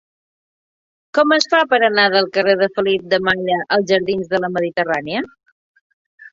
Com es fa per anar del carrer de Felip de Malla als jardins de la Mediterrània?